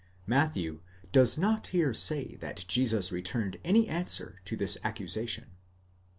Matthew does not here say that Jesus returned any answer to this accusation.